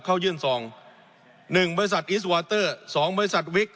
เข้ายื่นสองหนึ่งบริษัทอิสวอเตอร์สองบริษัทวิก